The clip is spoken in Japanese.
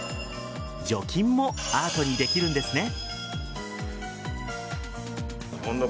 除菌もアートにできるんですね。